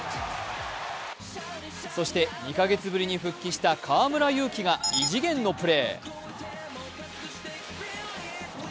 そして、２か月ぶりに復帰した河村勇輝が異次元のプレー。